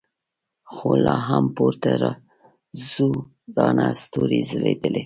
خو لا هم پورته څو راڼه ستورې ځلېدل.